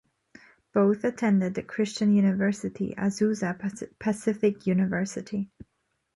Both attended the Christian university Azusa Pacific University.